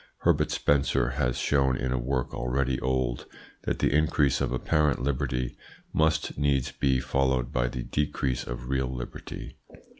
Herbert Spencer has shown, in a work already old, that the increase of apparent liberty must needs be followed by the decrease of real liberty.